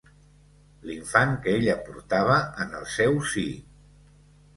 L'infant que ella portava en el seu si.